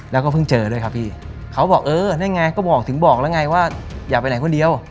แล้วก็เพิ่งเจอด้วยครับพี่เขาบอกเออนั่นไงก็บอกถึงบอกแล้วไงว่าอยากไปไหนคนเดียว